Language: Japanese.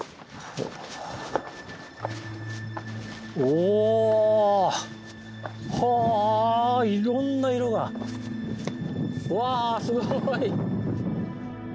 おっ！はあいろんな色が。わすごい！